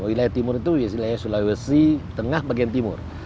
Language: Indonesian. wilayah timur itu wilayah sulawesi tengah bagian timur